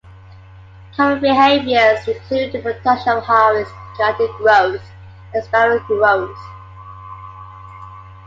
Common behaviours include the production of highways, chaotic growth and spiral growth.